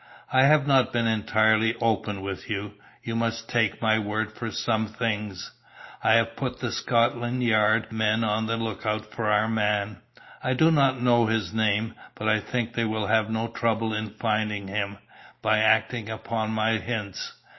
I have not been entirely open with you; you must take my word for some things. I have put the Scotland Yard men on the lookout for our man; I do not know his name, but I think they will have no trouble in finding him, by acting upon my hints.